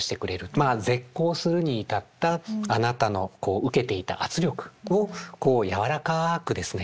まあ絶交するに至ったあなたの受けていた圧力をやわらかくですね